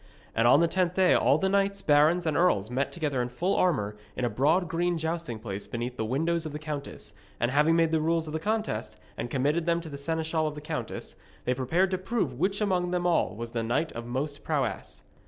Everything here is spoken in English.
And on the tenth day all the knights, barons, and earls met together in full armour in a broad green jousting place beneath the windows of the countess, and having made the rules of contest, and committed them to the seneschal of the countess, they prepared to prove which among them all was the knight of most prowess.